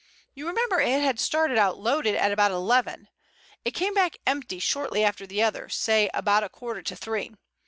You remember it had started out loaded at about eleven. It came back empty shortly after the other, say about a quarter to three.